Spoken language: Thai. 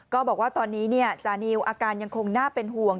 ก็บอกว่าตอนนี้จานิวอาการยังคงน่าเป็นห่วง